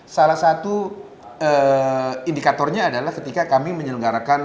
salah satu indikatornya adalah ketika kami menyelenggarakan